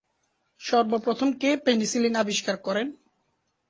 সর্বপ্রথম কে পেনিসিলিন আবিষ্কার করেন?